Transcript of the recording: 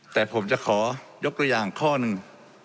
แต่ผมจะขอยกตัวอย่างข้อหนึ่ง